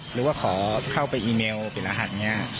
หรือว่าขอเข้าไปอีเมลเปลี่ยนรหัส